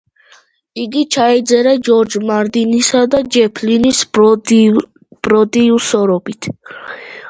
იგი ჩაიწერა ჯორჯ მარტინისა და ჯეფ ლინის პროდიუსერობით.